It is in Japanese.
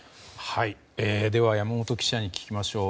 では山本記者に聞きましょう。